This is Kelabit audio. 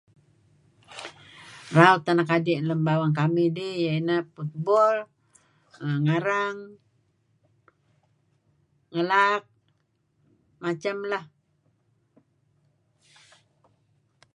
Raut anak adi' ngi bawang kamih iyeh ineh football, ngarang, ngelaak macam lah.